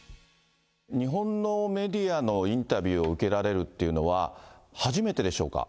日本のメディアのインタビューを受けられるっていうのは、初めてでしょうか？